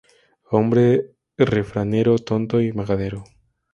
Hombre refranero, tonto y majadero